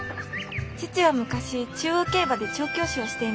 父は昔中央競馬で調教師をしていました。